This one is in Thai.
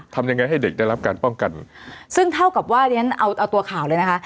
ทำยังไงให้เด็กได้รับการป้องกันซึ่งเท่ากับว่าเรียนเอาเอาตัวข่าวเลยนะคะ